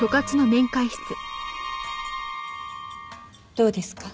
どうですか？